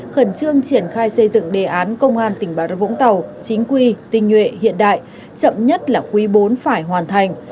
khẩn trương triển khai xây dựng đề án công an tỉnh bà rập vũng tàu chính quy tinh nhuệ hiện đại chậm nhất là quý bốn phải hoàn thành